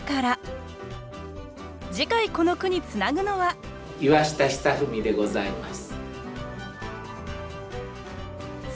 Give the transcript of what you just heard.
次回この句につなぐのは岩下尚史でございます。